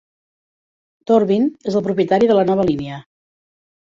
Durbin, es el propietari de la nova línia.